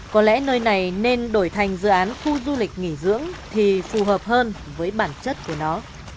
có lẽ nơi này nên đổi thành dự án khu du lịch nghỉ dưỡng thì phù hợp hơn với bản chất của nó